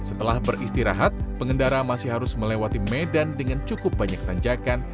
setelah beristirahat pengendara masih harus melewati medan dengan cukup banyak tanjakan